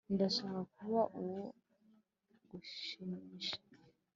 Ndashaka kuba uwo kugushimisha